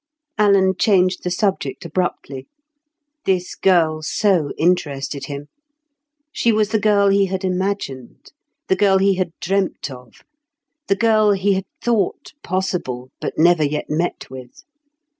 Alan changed the subject abruptly. This girl so interested him. She was the girl he had imagined, the girl he had dreamt of, the girl he had thought possible, but never yet met with.